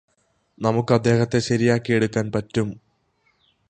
നമുക്ക് അദ്ദേഹത്തെ ശരിയാക്കിയെടുക്കാന് പറ്റും